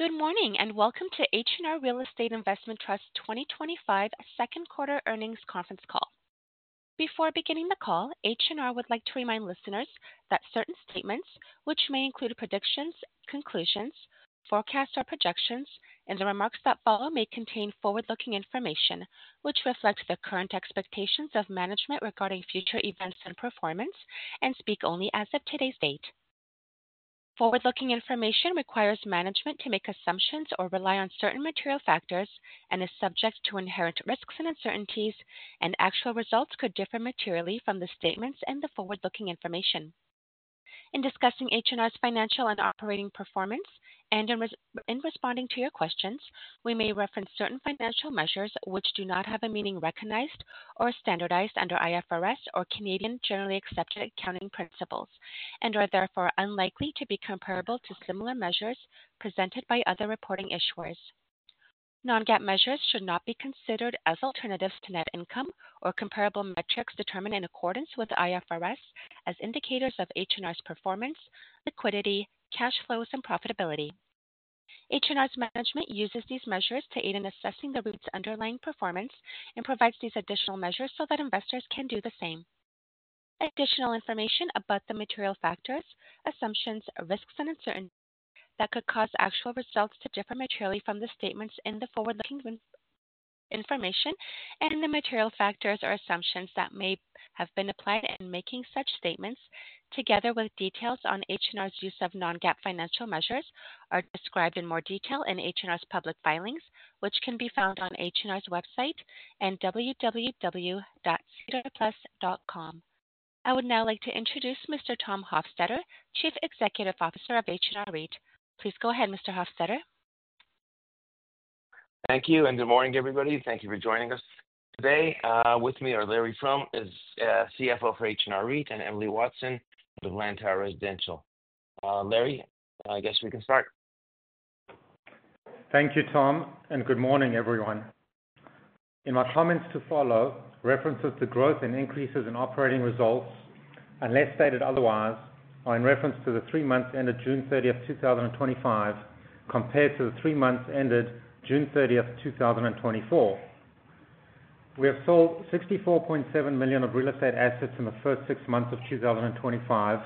Good morning and welcome to H&R Real Estate Investment Trust 2025 Second Quarter Earnings Conference Call. Before beginning the call, H&R would like to remind listeners that certain statements, which may include predictions, conclusions, forecasts, or projections, and the remarks that follow may contain forward-looking information which reflects the current expectations of management regarding future events and performance, and speak only as of today's date. Forward-looking information requires management to make assumptions or rely on certain material factors and is subject to inherent risks and uncertainties, and actual results could differ materially from the statements and the forward-looking information. In discussing H&R's financial and operating performance and in responding to your questions, we may reference certain financial measures which do not have a meaning recognized or standardized under IFRS or Canadian Generally Accepted Accounting Principles and are therefore unlikely to be comparable to similar measures presented by other reporting issuers. Non-GAAP measures should not be considered as alternatives to net income or comparable metrics determined in accordance with IFRS as indicators of H&R's performance, liquidity, cash flows, and profitability. H&R's management uses these measures to aid in assessing the REIT's underlying performance and provides these additional measures so that investors can do the same. Additional information about the material factors, assumptions, risks, and uncertainties that could cause actual results to differ materially from the statements and the forward-looking information and the material factors or assumptions that may have been applied in making such statements, together with details on H&R's use of non-GAAP financial measures, are described in more detail in H&R's public filings, which can be found on H&R's website at www.centreplus.com. I would now like to introduce Mr. Tom Hofstedter, Chief Executive Officer of H&R REIT. Please go ahead, Mr. Hofstedter. Thank you and good morning, everybody. Thank you for joining us today. With me are Larry Froom, CFO for H&R REIT, and Emily Watson, the Lantower Residential. Larry, I guess we can start. Thank you, Tom, and good morning, everyone. In my comments to follow, references to growth and increases in operating results, unless stated otherwise, are in reference to the three months ended June 30th, 2025, compared to the three months ended June 30th, 2024. We have sold $64.7 million of real estate assets in the first six months of 2025,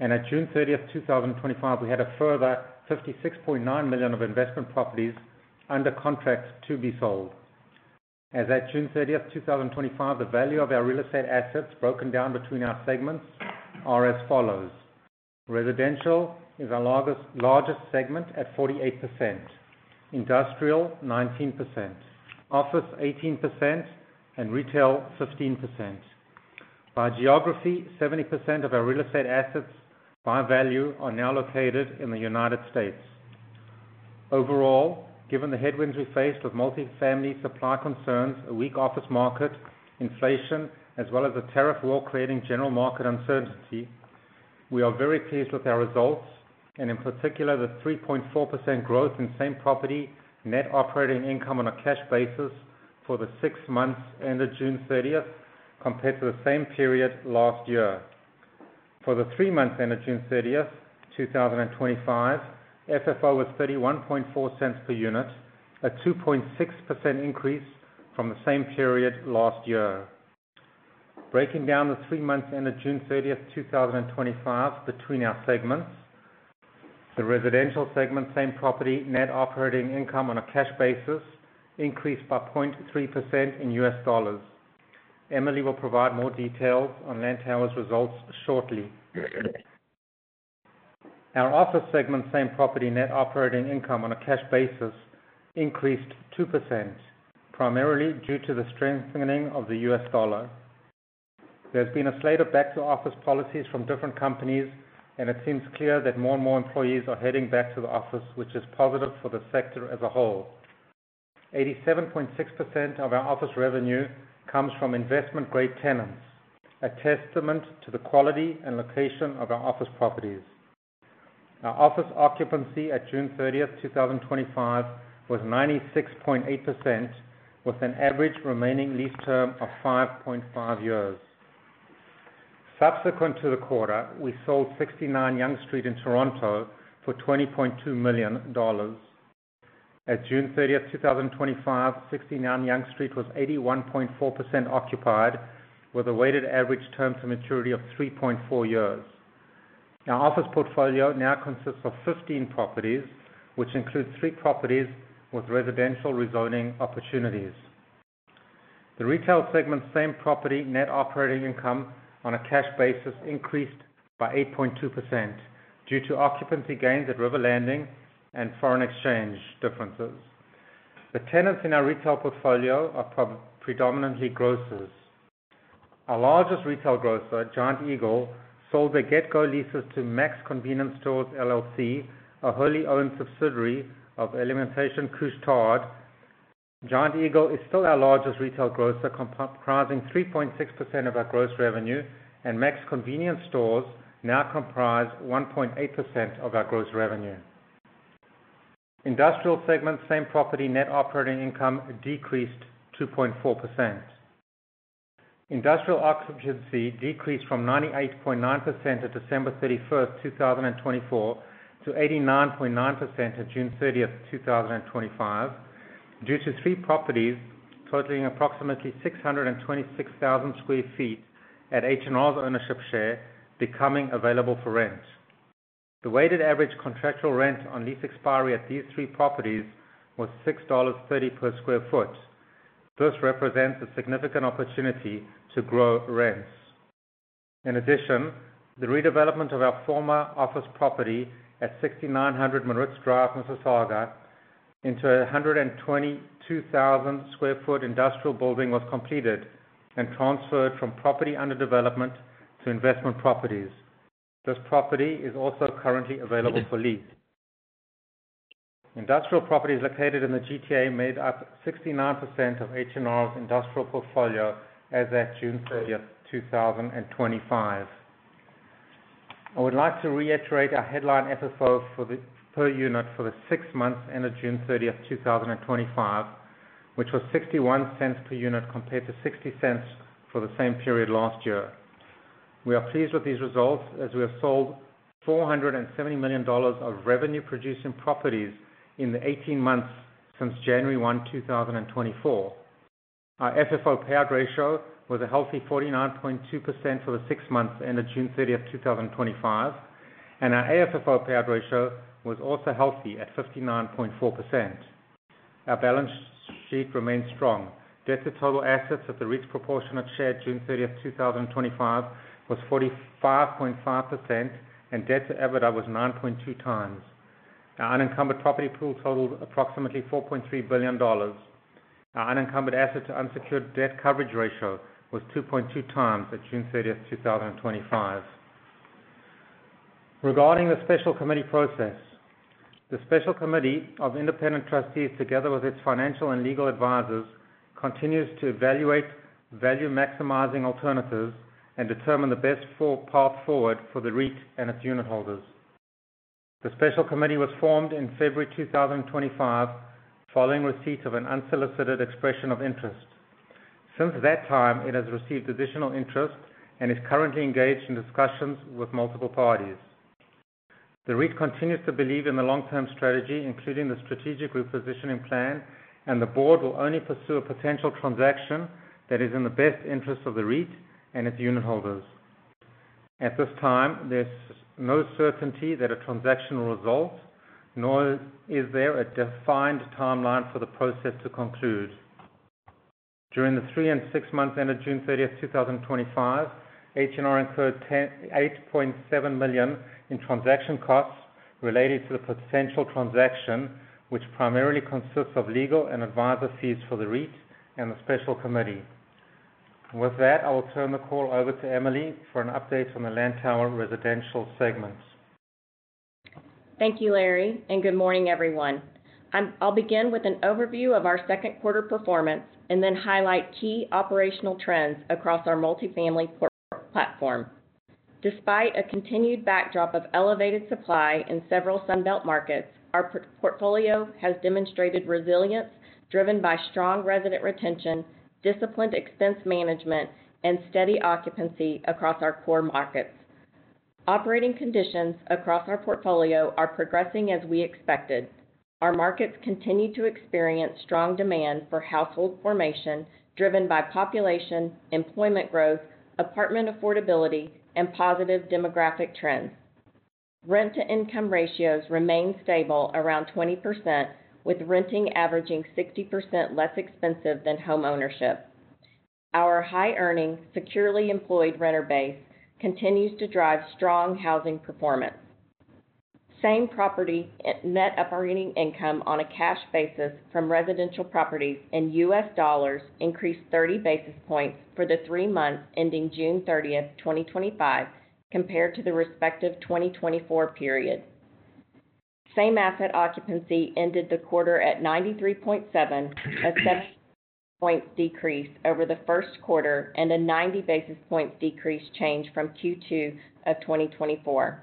and at June 30th, 2025, we had a further $56.9 million of investment properties under contracts to be sold. As at June 30th, 2025, the value of our real estate assets broken down between our segments are as follows: Residential is our largest segment at 48%, Industrial 19%, Office 18%, and Retail 15%. By geography, 70% of our real estate assets by value are now located in the U.S. Overall, given the headwinds we faced with multifamily supply concerns, a weak office market, inflation, as well as the tariff war creating general market uncertainty, we are very pleased with our results and in particular the 3.4% growth in same-property net operating income on a cash basis for the six months ended June 30th compared to the same period last year. For the three months ended June 30th, 2025, FFO was $0.314 per unit, a 2.6% increase from the same period last year. Breaking down the three months ended June 30th, 2025 between our segments, the Residential segment same-property net operating income on a cash basis increased by 0.3% in U.S. dollars. Emily will provide more details on Lantower's results shortly. Our Office segment same-property net operating income on a cash basis increased 2%, primarily due to the strengthening of the U.S. dollar. There has been a slate of back-to-office policies from different companies, and it seems clear that more and more employees are heading back to the office, which is positive for the sector as a whole. 87.6% of our Office revenue comes from investment-grade tenants, a testament to the quality and location of our office properties. Our office occupancy at June 30th, 2025 was 96.8%, with an average remaining lease term of 5.5 years. Subsequent to the quarter, we sold 69 Young Street in Toronto for $20.2 million. At June 30th, 2025, 69 Yonge Street was 81.4% occupied, with a weighted average term to maturity of 3.4 years. Our Office portfolio now consists of 15 properties, which includes three properties with residential rezoning opportunities. The Retail segment same-property net operating income on a cash basis increased by 8.2% due to occupancy gains at River Landing and foreign exchange differences. The tenants in our Retail portfolio are predominantly grocers. Our largest retail grocer, Giant Eagle, sold their GetGo leases to Mac's Convenience Stores LLC, a wholly-owned subsidiary of Alimentation Couche-Tard. Giant Eagle is still our largest retail grocer, comprising 3.6% of our gross revenue, and Mac's Convenience Stores now comprise 1.8% of our gross revenue. Industrial segment same-property net operating income decreased 2.4%. Industrial occupancy decreased from 98.9% at December 31st, 2024 to 89.9% at June 30th, 2025, due to three properties totaling approximately 626,000 sq ft at H&R's ownership share becoming available for rent. The weighted average contractual rent on lease expiry at these three properties was $6.30 per square foot. This represents a significant opportunity to grow rents. In addition, the redevelopment of our former office property at 6900 Maritz Drive, Mississauga, into a 122,000 sq ft industrial building was completed and transferred from property under development to investment properties. This property is also currently available for lease. Industrial properties located in the GTA made up 69% of H&R's industrial portfolio as at June 30th, 2025. I would like to reiterate our headline FFO per unit for the six months ended June 30th, 2025, which was $0.61 per unit compared to $0.60 for the same period last year. We are pleased with these results as we have sold $470 million of revenue-producing properties in the 18 months since January 1st, 2024. Our FFO payout ratio was a healthy 49.2% for the six months ended June 30th, 2025, and our AFFO payout ratio was also healthy at 59.4%. Our balance sheet remains strong. Debt to total assets at the REIT's proportionate share June 30th, 2025 was 45.5%, and debt to EBITDA was 9.2x. Our unencumbered property pool totaled approximately $4.3 billion. Our unencumbered asset to unsecured debt coverage ratio was 2.2x at June 30th, 2025. Regarding the special committee process, the Special Committee of Independent Trustees, together with its financial and legal advisors, continues to evaluate value-maximizing alternatives and determine the best path forward for the REIT and its unitholders. The Special Committee was formed in February 2025 following receipt of an unsolicited expression of interest. Since that time, it has received additional interest and is currently engaged in discussions with multiple parties. The REIT continues to believe in the long-term strategy, including the Strategic Repositioning Plan, and the Board will only pursue a potential transaction that is in the best interests of the REIT and its unitholders. At this time, there's no certainty that a transaction will result, nor is there a defined timeline for the process to conclude. During the three and six months ended June 30th, 2025, H&R incurred $8.7 million in transaction costs related to the potential transaction, which primarily consists of legal and advisor fees for the REIT and the Special Committee. With that, I will turn the call over to Emily for an update on the Lantower Residential segment. Thank you, Larry, and good morning, everyone. I'll begin with an overview of our second quarter performance and then highlight key operational trends across our multifamily platform. Despite a continued backdrop of elevated supply in several Sunbelt markets, our portfolio has demonstrated resilience driven by strong resident retention, disciplined expense management, and steady occupancy across our core markets. Operating conditions across our portfolio are progressing as we expected. Our markets continue to experience strong demand for household formation driven by population, employment growth, apartment affordability, and positive demographic trends. Rent-to-income ratios remain stable around 20%, with renting averaging 60% less expensive than homeownership. Our high-earning, securely employed renter base continues to drive strong housing performance. Same property net operating income on a cash basis from residential properties in U.S. dollars increased 30 basis points for the three months ending June 30th, 2025, compared to the respective 2024 period. Same-asset occupancy ended the quarter at 93.7%, a seven-point decrease over the first quarter and a 90 basis points decrease from Q2 of 2024.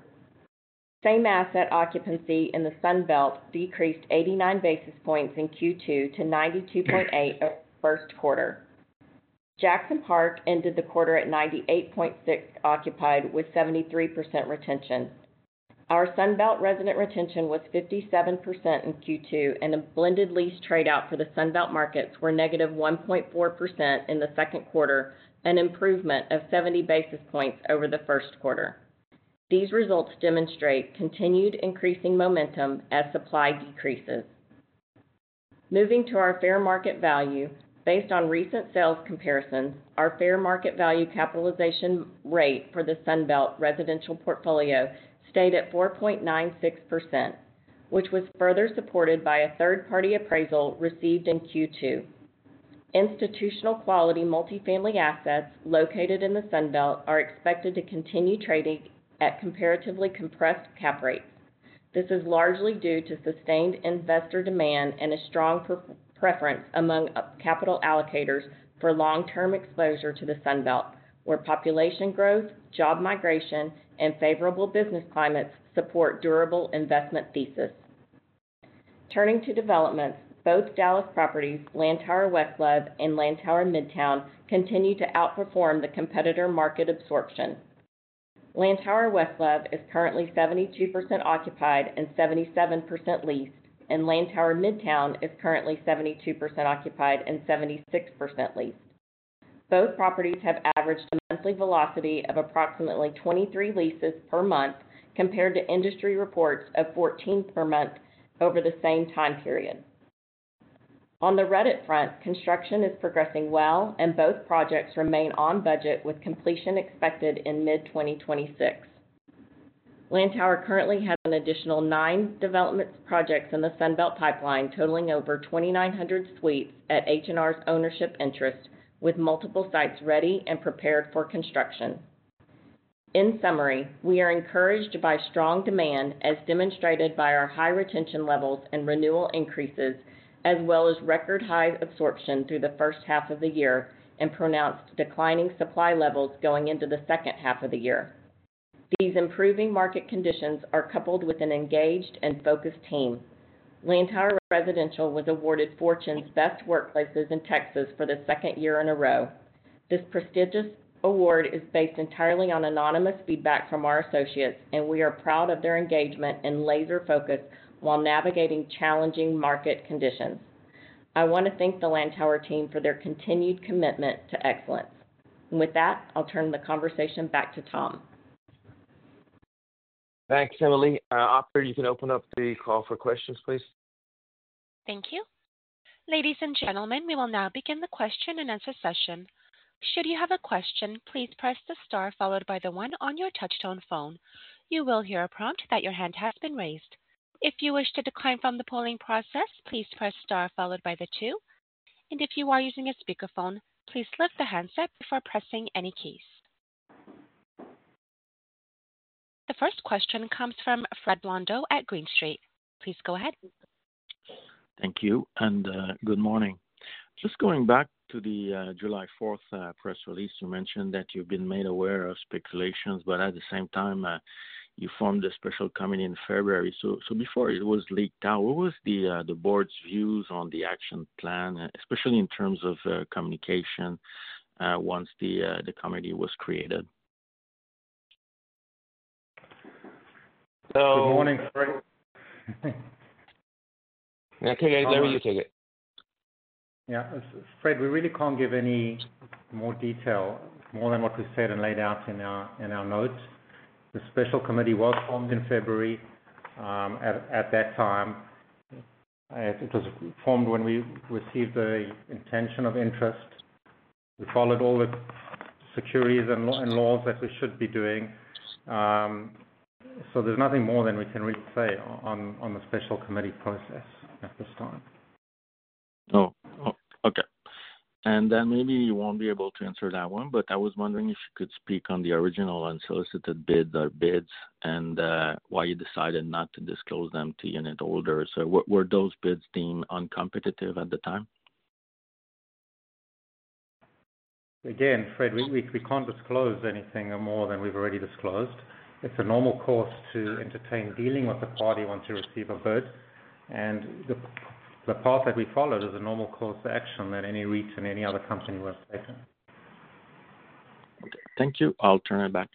Same asset occupancy in the Sunbelt decreased 89 basis points in Q2 to 92.8% from the first quarter. Jackson Park ended the quarter at 98.6% occupied with 73% retention. Our Sunbelt resident retention was 57% in Q2, and blended lease trade-out for the Sunbelt markets was -1.4% in the second quarter, an improvement of 70 basis points over the first quarter. These results demonstrate continued increasing momentum as supply decreases. Moving to our fair market value, based on recent sales comparisons, our fair market value capitalization rate for the Sunbelt residential portfolio stayed at 4.96%, which was further supported by a third-party appraisal received in Q2. Institutional quality multifamily assets located in the Sunbelt are expected to continue trading at comparatively compressed cap rates. This is largely due to sustained investor demand and a strong preference among capital allocators for long-term exposure to the Sunbelt, where population growth, job migration, and favorable business climates support a durable investment thesis. Turning to developments, both Dallas properties, Lantower West Love and Lantower Midtown, continue to outperform the competitor market absorption. Lantower West Love is currently 72% occupied and 77% leased, and Lantower Midtown is currently 72% occupied and 76% leased. Both properties have averaged a monthly velocity of approximately 23 leases per month compared to industry reports of 14 per month over the same time period. On the REDT front, construction is progressing well, and both projects remain on budget with completion expected in mid-2026. Lantower currently has an additional nine development projects in the Sunbelt pipeline totaling over 2,900 suites at H&R's ownership interest, with multiple sites ready and prepared for construction. In summary, we are encouraged by strong demand as demonstrated by our high retention levels and renewal increases, as well as record high absorption through the first half of the year and pronounced declining supply levels going into the second half of the year. These improving market conditions are coupled with an engaged and focused team. Lantower Residential was awarded Fortune's Best Workplaces in Texas for the second year in a row. This prestigious award is based entirely on anonymous feedback from our associates, and we are proud of their engagement and laser focus while navigating challenging market conditions. I want to thank the Lantower team for their continued commitment to excellence. I'll turn the conversation back to Tom. Thanks, Emily. Operator, you can open up the call for questions, please. Thank you. Ladies and gentlemen, we will now begin the question and answer session. Should you have a question, please press the star followed by the one on your touch-tone phone. You will hear a prompt that your hand has been raised. If you wish to decline from the polling process, please press star followed by the two. If you are using a speakerphone, please lift the handset before pressing any keys. The first question comes from Fred Blondeau at Green Street. Please go ahead. Thank you, and good morning. Just going back to the July 4th press release, you mentioned that you've been made aware of speculations, but at the same time, you formed the special committee in February. Before it was leaked out, what was the Board's views on the action plan, especially in terms of communication once the committee was created? Good morning, Fred. Yeah, take it, Larry. You take it. Yeah, Fred, we really can't give any more detail more than what we said and laid out in our note. The special committee was formed in February at that time. It was formed when we received the intention of interest. We followed all the securities and laws that we should be doing. There's nothing more than we can really say on the special committee process at this time. Okay. Maybe you won't be able to answer that one, but I was wondering if you could speak on the original unsolicited bid or bids and why you decided not to disclose them to unit holders. Were those bids deemed uncompetitive at the time? Again, Fred, we can't disclose anything more than we've already disclosed. It's a normal course to entertain dealing with the party once you receive a bid. The path that we followed is a normal course of action that any REIT and any other company would have taken. Okay, thank you. I'll turn it back.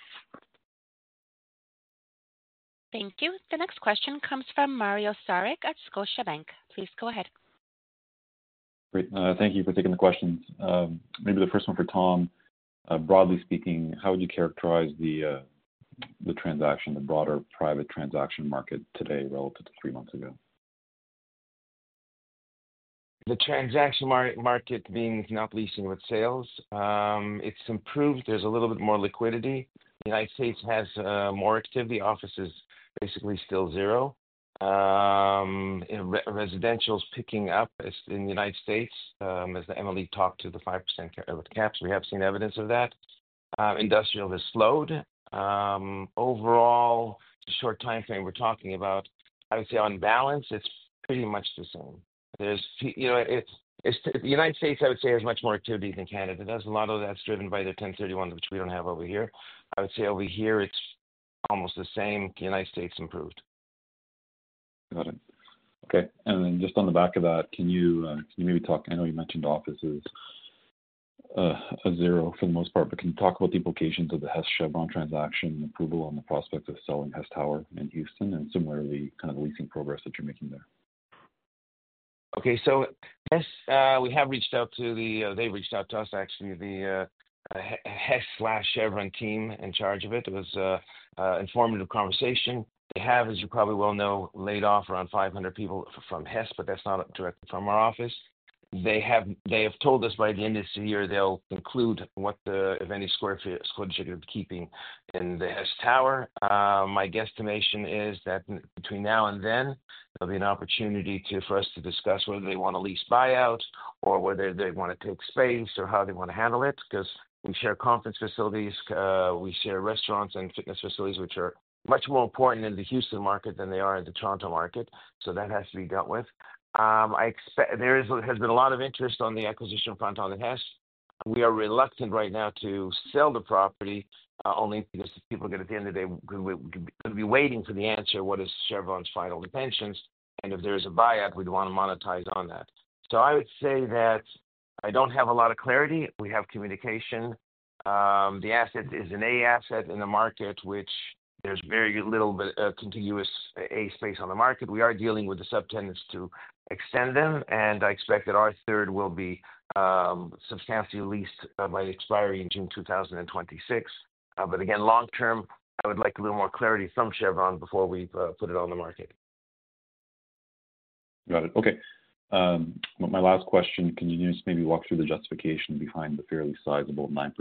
Thank you. The next question comes from Mario Saric at Scotiabank. Please go ahead. Great. Thank you for taking the questions. Maybe the first one for Tom. Broadly speaking, how would you characterize the transaction, the broader private transaction market today relative to three months ago? The transaction market means not leasing with sales. It's improved. There's a little bit more liquidity. The United States has more activity. Office is basically still zero. Residential is picking up in the United States, as Emily talked to the 5% caps. We have seen evidence of that. Industrial has slowed. Overall, the short timeframe we're talking about, I would say on balance, it's pretty much the same. The United States, I would say, has much more activity than Canada. A lot of that's driven by their 1031, which we don't have over here. I would say over here, it's almost the same. The United States improved. Got it. Okay. Can you maybe talk, I know you mentioned Office is a zero for the most part, but can you talk about the implications of the Hess-Chevron transaction and the approval on the prospect of selling Hess Tower in Houston and similarly the leasing progress that you're making there? Okay. Hess, we have reached out to the—they reached out to us, actually, the Hess/Chevron team in charge of it. It was an informative conversation. They have, as you probably well know, laid off around 500 people from Hess, but that's not directly from our office. They have told us by the end of this year they'll conclude what the—if any square footage they're going to be keeping in the Hess Tower. My guesstimation is that between now and then, there will be an opportunity for us to discuss whether they want a lease buyout or whether they want to take space or how they want to handle it because we share conference facilities, we share restaurants and fitness facilities, which are much more important in the Houston market than they are in the Toronto market. That has to be dealt with. There has been a lot of interest on the acquisition of Fontana Hess. We are reluctant right now to sell the property only because people get at the end of the day, we're going to be waiting for the answer, what is Chevron's final intentions? If there is a buyout, we'd want to monetize on that. I would say that I don't have a lot of clarity. We have communication. The asset is an A asset in the market, which there's very little contiguous A space on the market. We are dealing with the subtenants to extend them, and I expect that our third will be substantially leased by expiry in June 2026. Again, long term, I would like a little more clarity from Chevron before we put it on the market. Got it. Okay. My last question, can you just maybe walk through the justification behind the fairly sizable 9%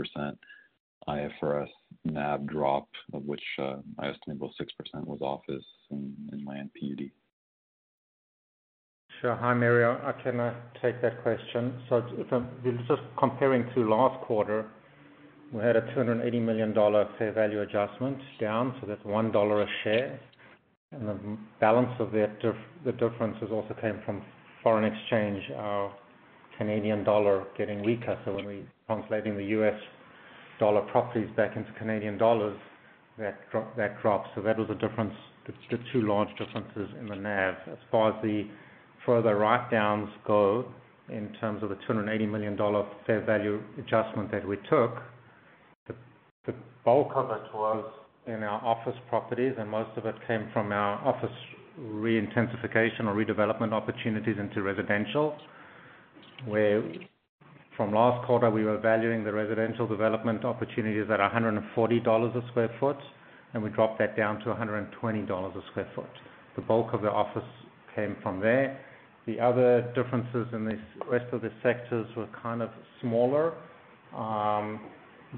IFRS NAV drop, of which I estimate about 6% was office and land PUD? Sure. Hi, Mario. I can take that question. If I'm just comparing to last quarter, we had a $280 million fair value adjustment down, so that's $1 a share. The balance of that, the difference, has also come from foreign exchange, our Canadian dollar getting weaker. When we're translating the U.S. dollar properties back into Canadian dollars, that drops. That was the difference. That's the two large differences in the NAVs. As far as the further write-downs go in terms of the $280 million fair value adjustment that we took, the bulk of it was in our office properties, and most of it came from our office re-intensification or redevelopment opportunities into residential, where from last quarter, we were valuing the residential development opportunities at $140 a square foot, and we dropped that down to $120 a square foot. The bulk of the office came from there. The other differences in the rest of the sectors were kind of smaller,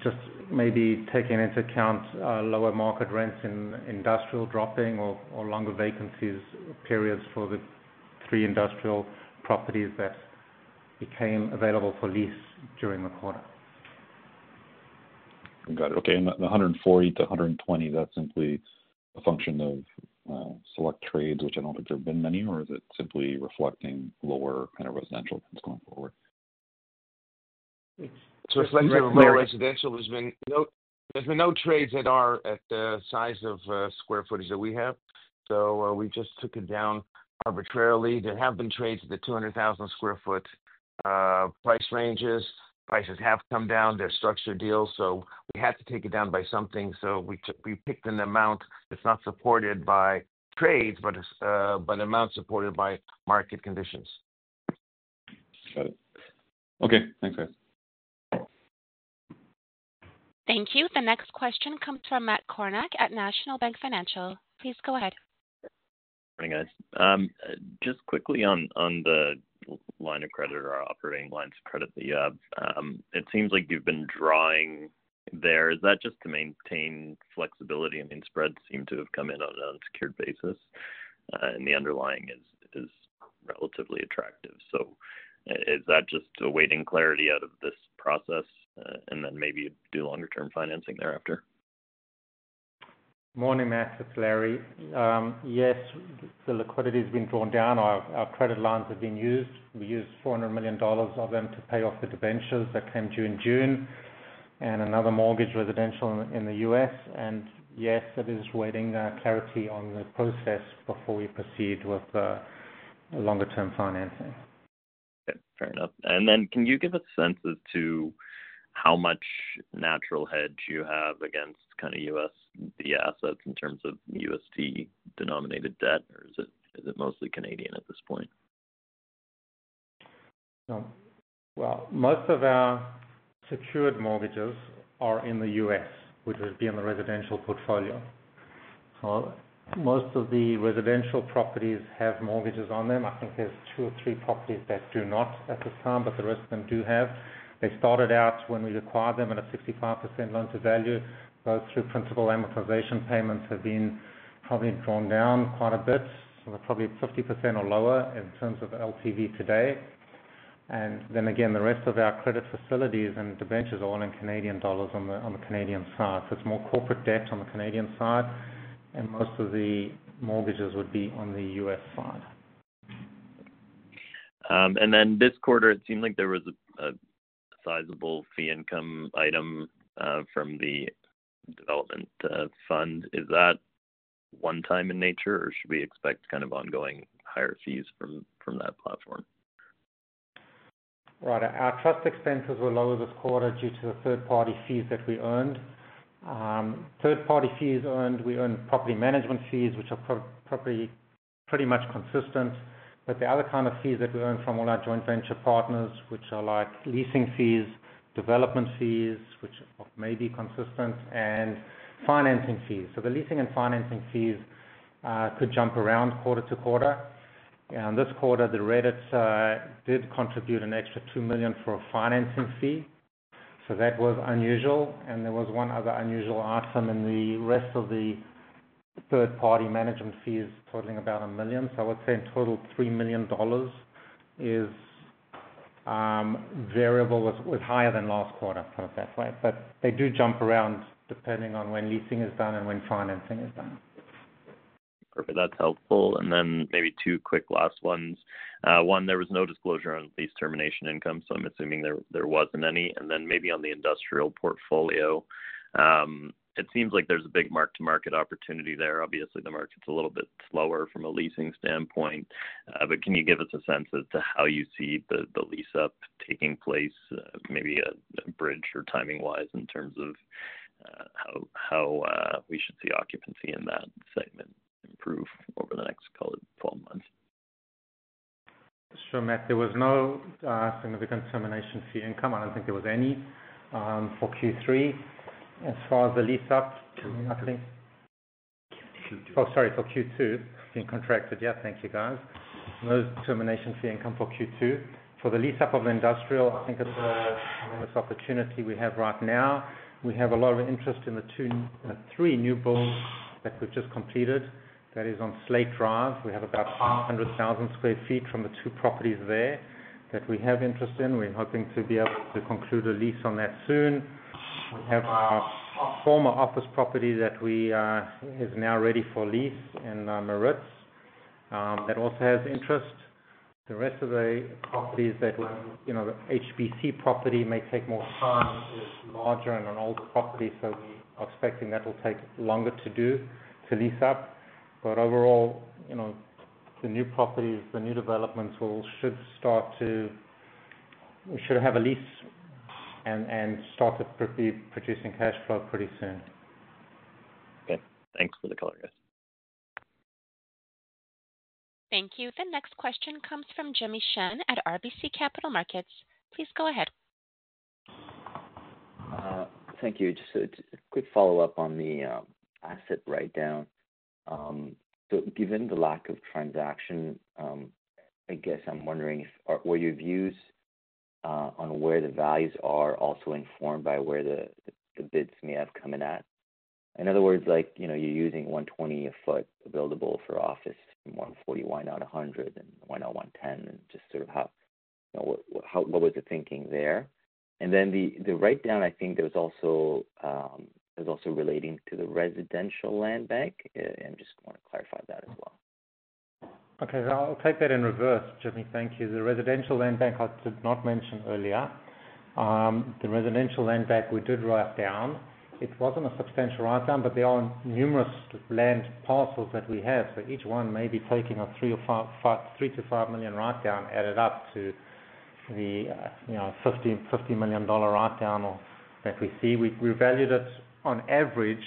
just maybe taking into account lower market rents in industrial dropping or longer vacancy periods for the three industrial properties that became available for lease during the quarter. Got it. Okay. The $140 to $120, that's simply a function of select trades, which I don't think there have been many, or is it simply reflecting lower kind of residential that's going forward? To explain, Residential has been, there's been no trades at the size of square footage that we have. We just took it down arbitrarily. There have been trades at the 200,000 sq ft price ranges. Prices have come down. They're structured deals. We had to take it down by something. We picked an amount that's not supported by trades, but an amount supported by market conditions. Got it. Okay. Thanks, Fred. Thank you. The next question comes from Matt Kornack at National Bank Financial. Please go ahead. Morning, guys. Just quickly on the line of credit or operating lines of credit, it seems like you've been drawing there. Is that just to maintain flexibility? I mean, spreads seem to have come in on an unsecured basis, and the underlying is relatively attractive. Is that just awaiting clarity out of this process and then maybe do longer-term financing thereafter? Morning, Matt. It's Larry. Yes, the liquidity has been drawn down. Our credit lines have been used. We used $400 million of them to pay off the debentures that came due in June and another mortgage residential in the U.S. Yes, that is awaiting clarity on the process before we proceed with longer-term financing. Okay. Fair enough. Can you give a sense as to how much natural hedge you have against kind of USD assets in terms of USD-denominated debt, or is it mostly Canadian at this point? Most of our secured mortgages are in the U.S., which would be in the residential portfolio. Most of the residential properties have mortgages on them. I think there's two or three properties that do not at this time, but the rest of them do have. They started out when we acquired them at a 65% loan-to-value. Both through principal amortization payments have been probably drawn down quite a bit. They're probably at 50% or lower in terms of LTV today. The rest of our credit facilities and debentures are all in Canadian dollars on the Canadian side. It's more corporate debt on the Canadian side, and most of the mortgages would be on the U.S. side. This quarter, it seemed like there was a sizable fee income item from the development fund. Is that one-time in nature, or should we expect ongoing higher fees from that platform? Right. Our trust expenses were lower this quarter due to the third-party fees that we earned. Third-party fees earned, we earned property management fees, which are probably pretty much consistent. The other kind of fees that we earn from all our joint venture partners, which are like leasing fees, development fees, which may be consistent, and financing fees. The leasing and financing fees could jump around quarter-to-quarter. This quarter, the REDT did contribute an extra $2 million for a financing fee. That was unusual. There was one other unusual item in the rest of the third-party management fees totaling about $1 million. I would say in total, $3 million is variable, was higher than last quarter, put it that way. They do jump around depending on when leasing is done and when financing is done. Perfect. That's helpful. Maybe two quick last ones. One, there was no disclosure on lease termination income, so I'm assuming there wasn't any. Maybe on the industrial portfolio, it seems like there's a big mark-to-market opportunity there. Obviously, the market's a little bit slower from a leasing standpoint. Can you give us a sense as to how you see the lease-up taking place, maybe a bridge or timing-wise in terms of how we should see occupancy in that segment improve over the next, call it, 12 months? Sure, Matt. There was no significant termination fee income. I don't think there was any for Q3. As far as the lease-up, do we have any? Q2. Oh, sorry, for Q2. Being contracted. Yeah, thank you, guys. No termination fee income for Q2. For the lease-up of industrial, I think the opportunity we have right now, we have a lot of interest in the three new builds that we've just completed that are on Slate Drive. We have about 500,000 sq ft from the two properties there that we have interest in. We're hoping to be able to conclude a lease on that soon. We have our former office property that is now ready for lease in Maritz that also has interest. The rest of the, please, that HBC property may take more time, it's larger and an older property. We are expecting that will take longer to do to lease up. Overall, the new properties, the new developments all should start to, we should have a lease and start to be producing cash flow pretty soon. Okay, thanks for the color, guys. Thank you. The next question comes from Jimmy Shan at RBC Capital Markets. Please go ahead. Thank you. Just a quick follow-up on the asset breakdown. Given the lack of transaction, I'm wondering if your views on where the values are also informed by where the bids may have come in at. In other words, you're using $120 a foot buildable for office, and $140, why not $100, and why not $110, and just sort of how, you know, what was the thinking there? The write-down, I think it was also relating to the residential land bank. I just want to clarify that as well. Okay. I'll take that in reverse, Jimmy. Thank you. The residential land bank I did not mention earlier. The residential land bank we did write down. It wasn't a substantial write-down, but there are numerous land parcels that we have. Each one may be taking a $3 million-$5 million write-down, added up to the $50 million write-down that we see. We valued it on average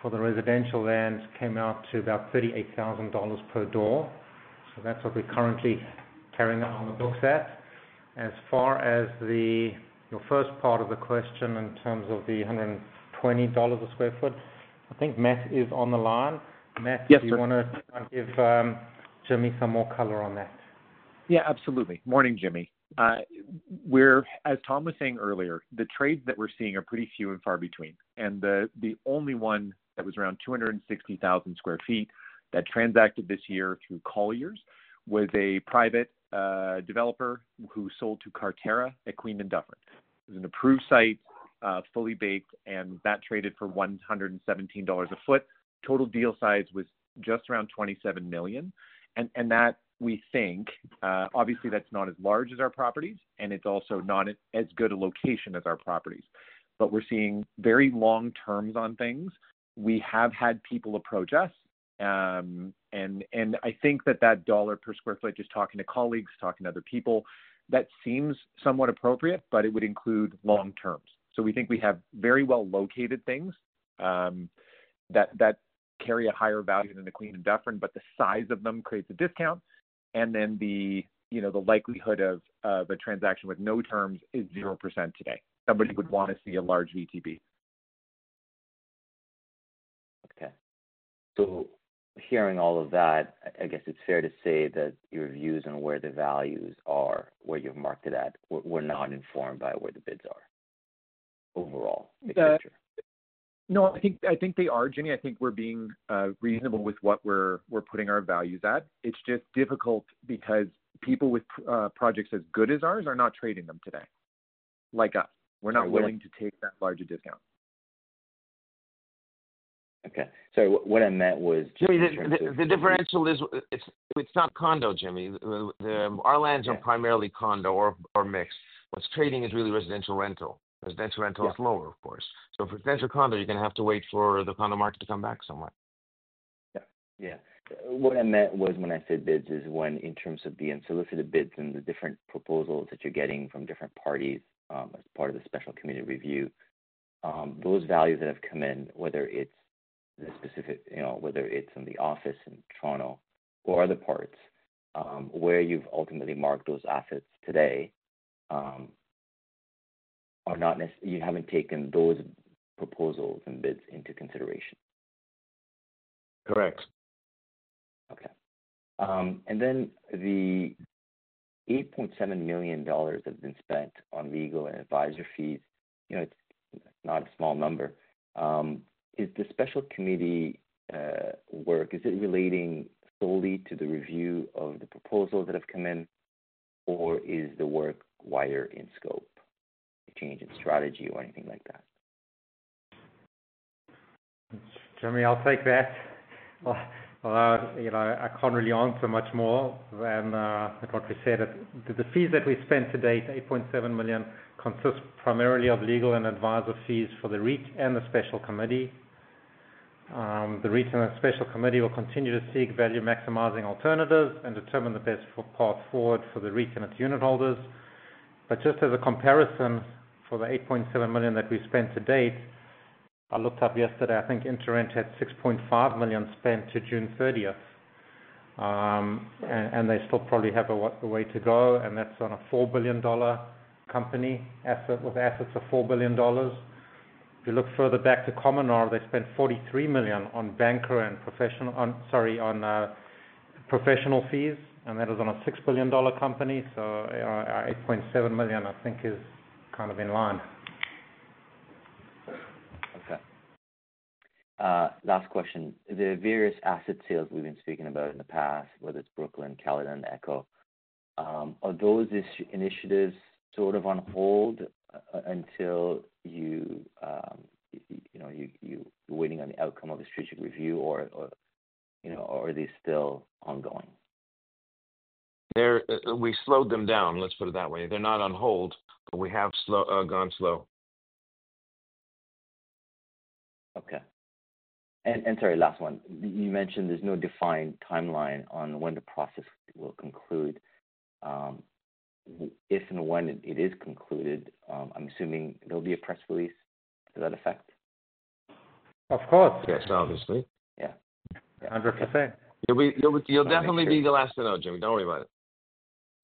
for the residential land, came out to about $38,000 per door. That's what we're currently carrying on the books at. As far as your first part of the question in terms of the $120 a square foot, I think Matt is on the line. Matt, if you want to give Jimmy some more color on that. Yeah, absolutely. Morning, Jimmy. As Tom was saying earlier, the trades that we're seeing are pretty few and far between. The only one that was around 260,000 sq ft that transacted this year through Colliers was a private developer who sold to Quarterra at Queen and Dufferin. It was an approved site, fully baked, and that traded for $117 a foot. Total deal size was just around $27 million. We think, obviously, that's not as large as our properties, and it's also not as good a location as our properties. We're seeing very long terms on things. We have had people approach us. I think that that dollar per square foot, just talking to colleagues, talking to other people, that seems somewhat appropriate, but it would include long terms. We think we have very well-located things that carry a higher value than the Queen and Dufferin, but the size of them creates a discount. The likelihood of a transaction with no terms is 0% today. Somebody would want to see a large VTB. Okay. Hearing all of that, I guess it's fair to say that your views on where the values are, where you've marked it at, were not informed by where the bids are overall. No, I think they are, Jimmy. I think we're being reasonable with what we're putting our values at. It's just difficult because people with projects as good as ours are not trading them today like us. We're not willing to take that larger discount. Okay, what I meant was. Jimmy, the differential is it's not condo, Jimmy. Our lands are primarily condo or mixed. What's trading is really residential rental. Residential rental is lower, of course. For residential condo, you're going to have to wait for the condo market to come back somewhere. Yeah. What I meant was when I said bids is when in terms of the unsolicited bids and the different proposals that you're getting from different parties as part of the special committee review, those values that have come in, whether it's the specific, you know, whether it's in the office in Toronto or other parts, where you've ultimately marked those assets today, are not necessarily, you haven't taken those proposals and bids into consideration. Correct. Okay. The $8.7 million that's been spent on legal and advisor fees, it's not a small number. Is the special committee work relating solely to the review of the proposals that have come in, or is the work wider in scope? Change in strategy or anything like that? Jimmy, I'll take that. You know, I can't really answer much more than what we said. The fees that we spent to date, $8.7 million, consist primarily of legal and advisor fees for the REIT and the Special Committee. The REIT and the Special Committee will continue to seek value-maximizing alternatives and determine the best path forward for the REIT and its unitholders. Just as a comparison for the $8.7 million that we've spent to date, I looked up yesterday, I think Interrent had $6.5 million spent to June 30th. They still probably have a way to go, and that's on a $4 billion company with assets of $4 billion. If you look further back to Cominar, they spent $43 million on banker and professional, sorry, on professional fees, and that is on a $6 billion company. Our $8.7 million, I think, is kind of in line. Okay. Last question. The various asset sales we've been speaking about in the past, whether it's Brooklyn, Caledon, ECHO, are those initiatives sort of on hold until you're waiting on the outcome of the strategic review, or are they still ongoing? We slowed them down. Let's put it that way. They're not on hold, but we have gone slow. Okay. Sorry, last one. You mentioned there's no defined timeline on when the process will conclude. If and when it is concluded, I'm assuming there'll be a press release to that effect? Of course. Yes. Obviously. Yeah. 100%. You'll definitely be the last to know, Jimmy. Don't worry about it.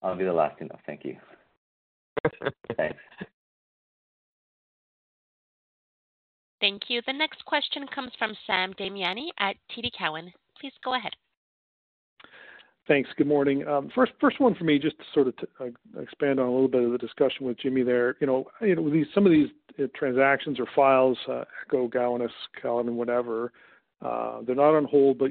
I'll be the last to know. Thank you. Okay. Thanks. Thank you. The next question comes from Sam Damiani at TD Cowen. Please go ahead. Thanks. Good morning. First one for me, just to sort of expand on a little bit of the discussion with Jimmy there. Some of these transactions or files, ECHO, Gowanus, Caledon, whatever, they're not on hold, but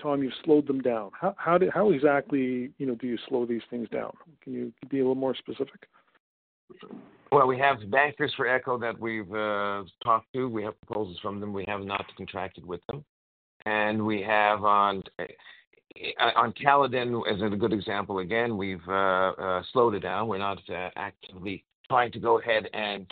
Tom, you've slowed them down. How exactly do you slow these things down? Can you be a little more specific? We have bankers for ECHO that we've talked to. We have proposals from them. We have not contracted with them. On Caledon, as a good example, again, we've slowed it down. We're not actively trying to go ahead and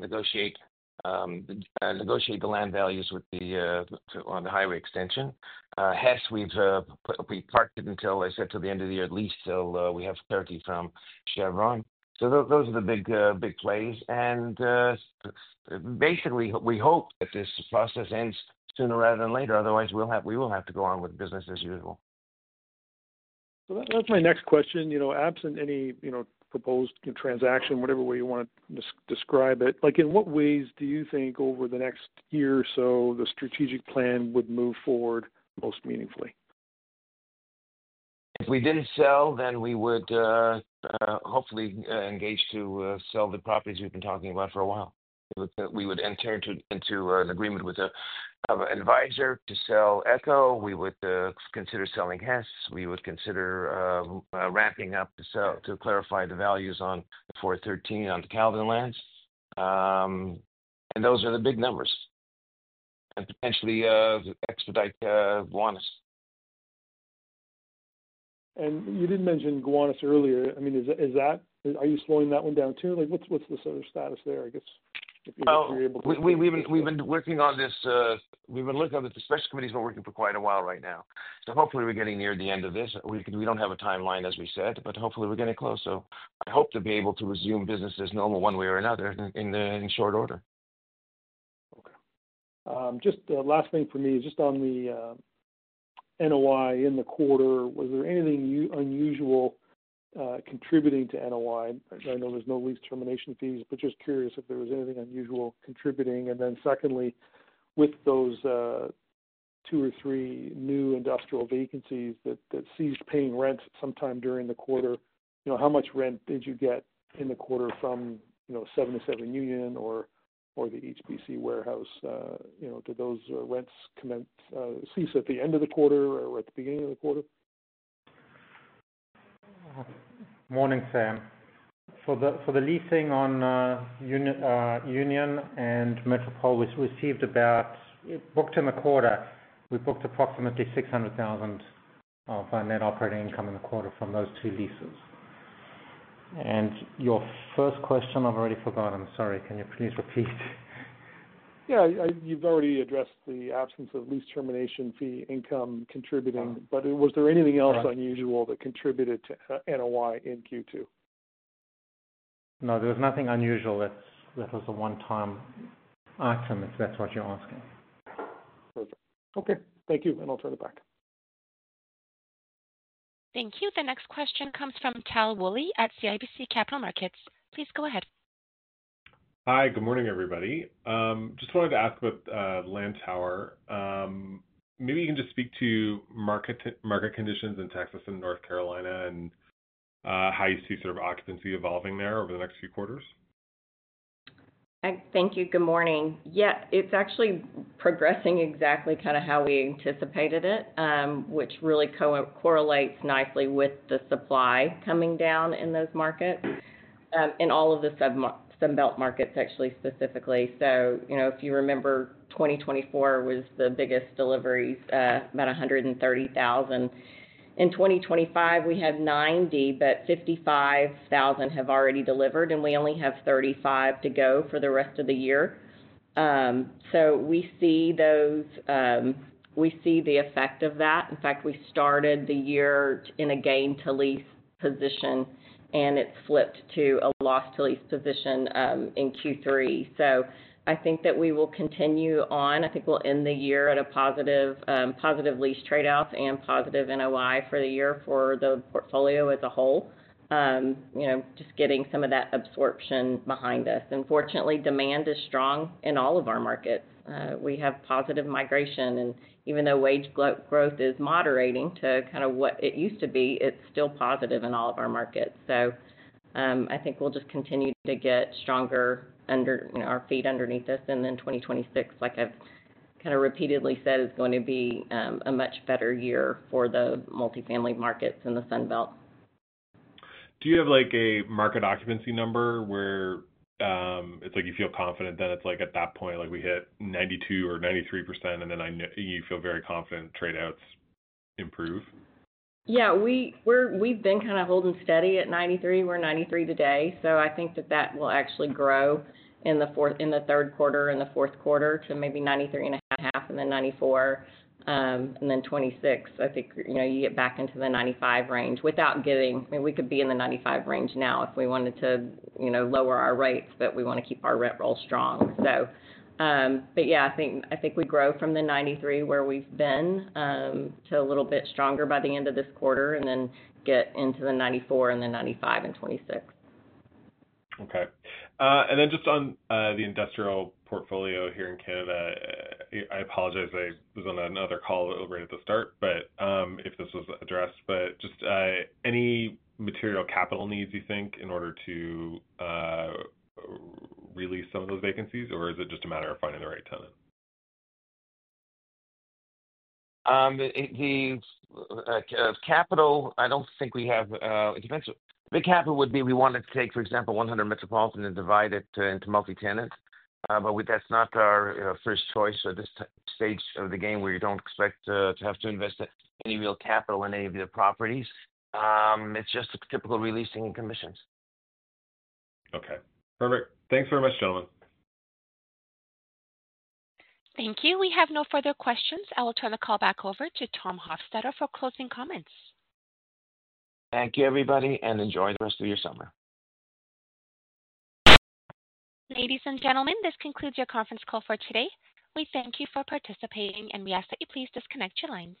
negotiate the land values with the on the highway extension. Hess, we've parked it until, I said, till the end of the year at least till we have clarity from Chevron. Those are the big plays. Basically, we hope that this process ends sooner rather than later. Otherwise, we will have to go on with the business as usual. That's my next question. Absent any proposed transaction, whatever way you want to describe it, in what ways do you think over the next year or so the strategic plan would move forward most meaningfully? If we didn't sell, we would hopefully engage to sell the properties we've been talking about for a while. We would enter into an agreement with an advisor to sell ECHO. We would consider selling Hess. We would consider ramping up to clarify the values on 413 on the Caledon lands. Those are the big numbers. We would potentially expedite Gowanus. You didn't mention Gowanus earlier. Is that, are you slowing that one down too? What's the sort of status there, I guess? We have been working on this. The discussion committee has been working for quite a while right now. Hopefully, we're getting near the end of this. We don't have a timeline, as we said, but hopefully, we're getting close. I hope to be able to resume business as normal one way or another in short order. Okay. Just the last thing for me is just on the NOI in the quarter. Was there anything unusual contributing to NOI? I know there's no lease termination fees, but just curious if there was anything unusual contributing. Secondly, with those two or three new industrial vacancies that ceased paying rent sometime during the quarter, how much rent did you get in the quarter from 77 Union or the HBC warehouse? Did those rents cease at the end of the quarter or at the beginning of the quarter? Morning, Sam. For the leasing on Union and Metropolis, it was received and booked in the quarter. We booked approximately $600,000 of net operating income in the quarter from those two leases. Your first question, I've already forgotten. Sorry. Can you please repeat? Yeah. You've already addressed the absence of lease termination fee income contributing, but was there anything else unusual that contributed to NOI in Q2? No, there was nothing unusual that was a one-time item, if that's what you're asking. Perfect. Okay, thank you. I'll turn it back. Thank you. The next question comes from Tal Wooley at CIBC Capital Markets. Please go ahead. Hi. Good morning, everybody. Just wanted to ask about Lantower. Maybe you can just speak to market conditions in Texas and North Carolina and how you see sort of occupancy evolving there over the next few quarters? Thank you. Good morning. Yeah, it's actually progressing exactly kind of how we anticipated it, which really correlates nicely with the supply coming down in those markets, in all of the Sunbelt markets actually specifically. If you remember, 2024 was the biggest deliveries, about 130,000. In 2025, we have 90,000, but 55,000 have already delivered, and we only have 35,000 to go for the rest of the year. We see the effect of that. In fact, we started the year in a gain-to-lease position, and it's flipped to a loss-to-lease position in Q3. I think that we will continue on. I think we'll end the year at a positive lease trade-off and positive NOI for the year for the portfolio as a whole, just getting some of that absorption behind us. Fortunately, demand is strong in all of our markets. We have positive migration, and even though wage growth is moderating to kind of what it used to be, it's still positive in all of our markets. I think we'll just continue to get stronger under our feet underneath us. 2026, like I've kind of repeatedly said, is going to be a much better year for the multifamily markets in the Sunbelt. Do you have a market occupancy number where you feel confident that at that point, like we hit 92% or 93%, and then you feel very confident trade-outs improve? Yeah, we've been kind of holding steady at 93%. We're 93% today. I think that will actually grow in the third quarter and the fourth quarter to maybe 93.5%, and then 94%, and then 96%. I think you get back into the 95% range without getting, I mean, we could be in the 95% range now if we wanted to lower our rates, but we want to keep our rent roll strong. I think we grow from the 93% where we've been to a little bit stronger by the end of this quarter and then get into the 94% and the 95% in 2026. Okay. Just on the industrial portfolio here in Canada, I apologize, I was on another call right at the start if this was addressed, but just any material capital needs you think in order to release some of those vacancies, or is it just a matter of finding the right tenant? Capital, I don't think we have. The capital would be we wanted to take, for example, 100 Metropolitan and divide it into multi-tenants, but that's not our first choice at this stage of the game. We don't expect to have to invest any real capital in any of the properties. It's just a typical releasing commissions. Okay. Perfect. Thanks very much, gentlemen. Thank you. We have no further questions. I will turn the call back over to Tom Hofstedter for closing comments. Thank you, everybody, and enjoy the rest of your summer. Ladies and gentlemen, this concludes your conference call for today. We thank you for participating, and we ask that you please disconnect your lines.